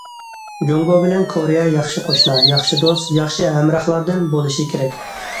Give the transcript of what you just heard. جۇڭگو بىلەن كورېيە ياخشى قوشنا، ياخشى دوست، ياخشى ھەمراھلاردىن بولۇشى كېرەك.